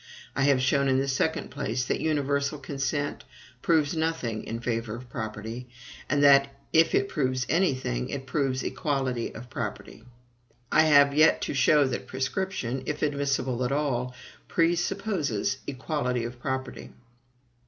I have shown, in the second place, that universal consent proves nothing in favor of property; and that, if it proves any thing, it proves equality of property. I have yet to show that prescription, if admissible at all, presupposes equality of property.